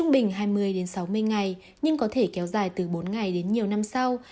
sáu mươi ngày nhưng có thể kéo dài từ bốn ngày đến nhiều năm sau